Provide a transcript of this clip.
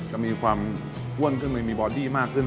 จะมีความอ้วนขึ้นไปมีบอดี้มากขึ้น